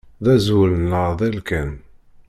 D azwel n leɛḍil kan.